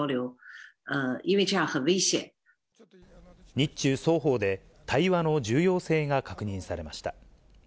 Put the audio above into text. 日中双方で、対話の重要性が確認されました。